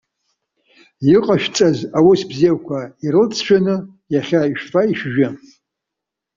Иҟашәҵаз аус бзиақәа ирылҵшәаны иахьа ишәфа, ишәжәы!